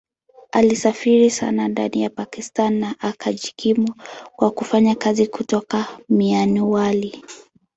Alisafiri sana ndani ya Pakistan na akajikimu kwa kufanya kazi kutoka Mianwali.